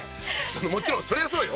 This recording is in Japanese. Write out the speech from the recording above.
もちろんそりゃそうよ！